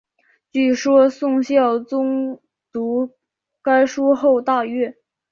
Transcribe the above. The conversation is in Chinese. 据说宋孝宗读该书后大悦。